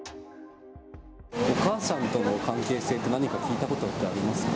お母さんとの関係性って、何か聞いたことありますか？